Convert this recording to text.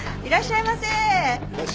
いらっしゃいませ。